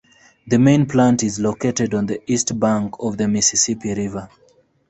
The main plant is located on the east bank of the Mississippi River.